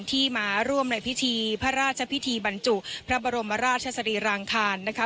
ที่มาร่วมในพิธีพระราชพิธีบรรจุพระบรมราชสรีรางคารนะคะ